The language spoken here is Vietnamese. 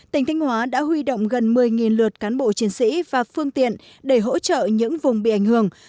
tỉnh thanh hóa đã huy động gần một mươi lượt cán bộ chiến sĩ và phương tiện để hỗ trợ những vùng bị ảnh hưởng